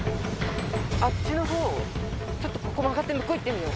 ちょっとここ曲がって向こう行ってみよう。